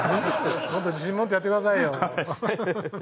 もっと自信持ってやってくださいよ。